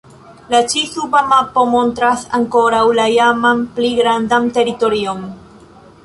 La ĉi-suba mapo montras ankoraŭ la iaman, pli grandan teritorion.